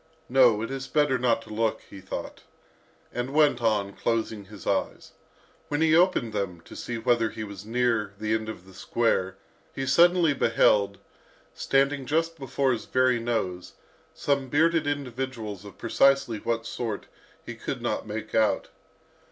"No, it is better not to look," he thought, and went on, closing his eyes. When he opened them, to see whether he was near the end of the square, he suddenly beheld, standing just before his very nose, some bearded individuals of precisely what sort, he could not make out.